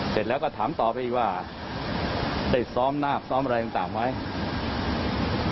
เสร็จแล้วก็ถามต่อไปอีกว่าได้ซ้อมนาบซ้อมอะไรต่างไหม